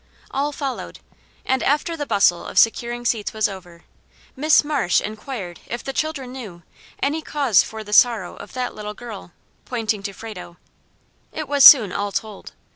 All followed, and, after the bustle of securing seats was over, Miss Marsh inquired if the children knew "any cause for the sorrow of that little girl?" pointing to Frado. It was soon all told.